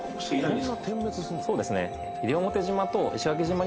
そうですね。